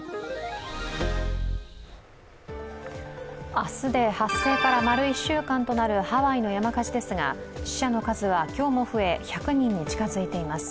明日で発生から丸１週間となるハワイの山火事ですが、死者の数は今日も増え、１００人に近づいています。